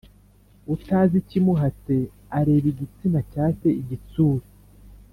Utazi ikimuhatse ,areba igitsina cya se igitsure